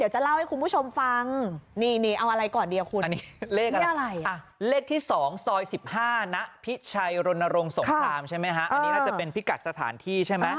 โทรถามใช่ไหมฮะอันนี้น่าจะเป็นพิกัดสถานที่ใช่ไหม